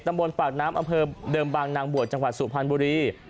ตำบนฝาขน้ำอเฟิร์มเดิมบางนางบวชจังหวัดสุพันบุรี